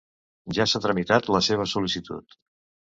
Ja s'ha tramitat la seva sol·licitud.